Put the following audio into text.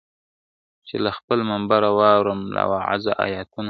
چي له خپل منبره واورم له واعظه آیتونه `